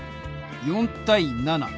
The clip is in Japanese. ４対７。